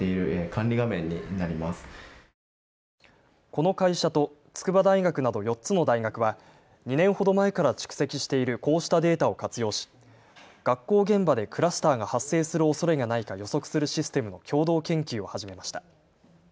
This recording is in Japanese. この会社と筑波大学など４つの大学は２年ほど前から蓄積しているこうしたデータを活用し学校現場でクラスターが発生するおそれがないか予測するシステムの共同研究を始めました。